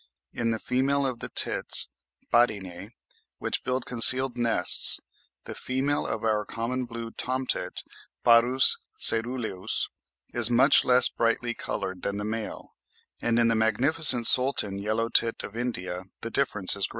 In the family of the tits (Parinae), which build concealed nests, the female of our common blue tomtit (Parus caeruleus), is "much less brightly coloured" than the male: and in the magnificent Sultan yellow tit of India the difference is greater.